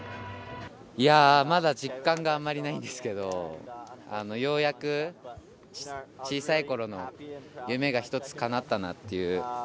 まだ実感があまりないんですけど、ようやく小さい頃の夢が一つかなったなっていう。